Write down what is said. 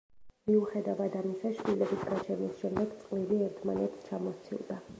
მიუხედავად ამისა, შვილების გაჩენის შემდეგ წყვილი ერთმანეთს ჩამოსცილდა.